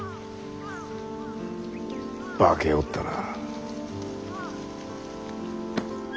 化けおったな。